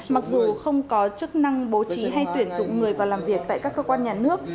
mặc dù không có chức năng bố trí hay tuyển dụng người vào làm việc tại các cơ quan nhà nước